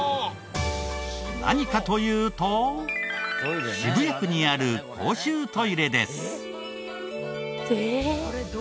何かというと渋谷区にある公衆トイレです。